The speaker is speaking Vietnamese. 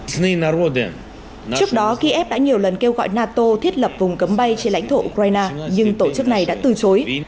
trước đó kiev đã nhiều lần kêu gọi nato thiết lập vùng cấm bay trên lãnh thổ ukraine nhưng tổ chức này đã từ chối